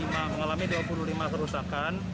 mengalami dua puluh lima kerusakan